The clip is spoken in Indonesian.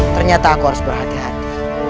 ternyata aku harus berhati hati